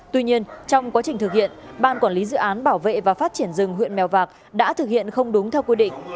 tuy nhiên trong quá trình thực hiện ban quản lý dự án bảo vệ và phát triển rừng huyện mèo vạc đã thực hiện không đúng theo quy định